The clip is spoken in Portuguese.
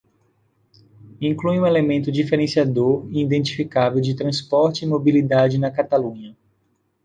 Inclui um elemento diferenciador e identificável de transporte e mobilidade na Catalunha.